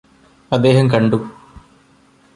അദ്ദേഹം കണ്ടു